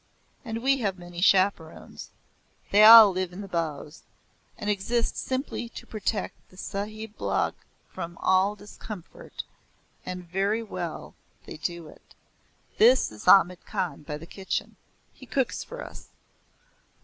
And we have many chaperons. They all live in the bows, and exist simply to protect the Sahiblog from all discomfort, and very well they do it. That is Ahmad Khan by the kitchen. He cooks for us.